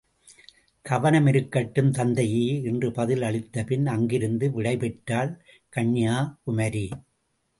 கவனமிருக்கட்டும் தந்தையே!... என்று பதில் அளித்தபின் அங்கிருந்து விடைபெற்றாள் கன்யாகுமரி.